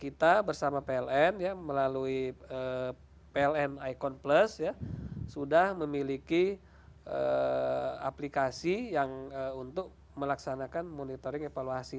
kita bersama pln melalui pln icon plus sudah memiliki aplikasi yang untuk melaksanakan monitoring evaluasi